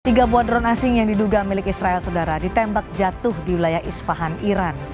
tiga buah drone asing yang diduga milik israel saudara ditembak jatuh di wilayah isfahan iran